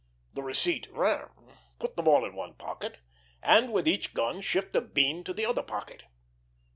The receipt ran: Put them all in one pocket, and with each gun shift a bean to the other pocket.